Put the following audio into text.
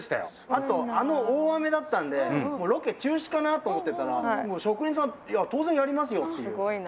あとあの大雨だったんでもうロケ中止かなと思ってたら職人さん「いや当然やりますよ」っていう。